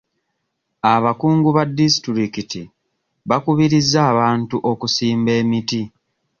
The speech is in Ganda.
Abakungu ba disitulikiti bakubirizza abantu okuzimba emiti.